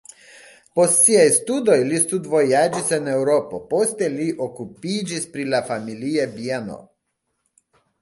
Post siaj studoj li studvojaĝis en Eŭropo, poste li okupiĝis pri la familia bieno.